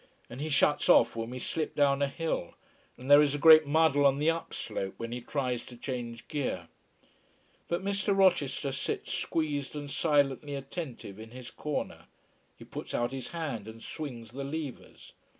And he shuts off when we slip down a hill and there is a great muddle on the upslope when he tries to change gear. But Mr. Rochester sits squeezed and silently attentive in his corner. He puts out his hand and swings the levers.